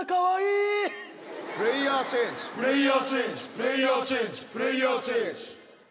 プレーヤーチェンジプレーヤーチェンジ。